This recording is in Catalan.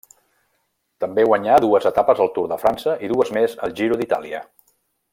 També guanyà dues etapes al Tour de França i dues més al Giro d'Itàlia.